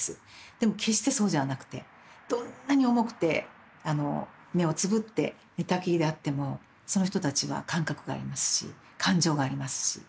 でも決してそうじゃなくてどんなに重くて目をつぶって寝たきりであってもその人たちは感覚がありますし感情がありますし。